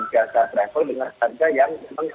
jasa travel dengan harga yang memang